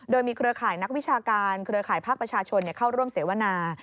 โดยมีเครือข่ายนักวิชาการเครือข่ายภาคประชาชนเข้าร่วมเสวนา